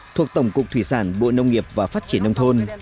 thuộc tổng cục thủy sản bộ nông nghiệp và phát triển nông thôn